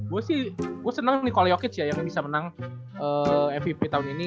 gue sih gue senang nih kalau yokeets ya yang bisa menang mvp tahun ini